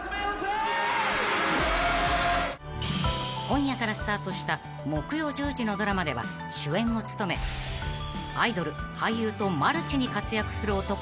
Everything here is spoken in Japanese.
［今夜からスタートした木曜１０時のドラマでは主演を務めアイドル俳優とマルチに活躍する男が］